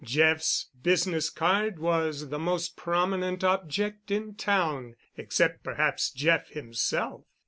Jeff's business card was the most prominent object in town, except perhaps Jeff himself.